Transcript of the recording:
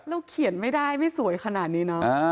เขียนไม่ได้ไม่สวยขนาดนี้เนอะ